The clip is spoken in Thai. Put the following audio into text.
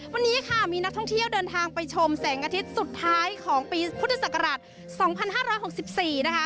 วันนี้ค่ะมีนักท่องเที่ยวเดินทางไปชมแสงอาทิตย์สุดท้ายของปีพุทธศักราช๒๕๖๔นะคะ